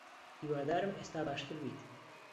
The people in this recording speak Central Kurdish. هیوادارم ئێستا باشتر بیت.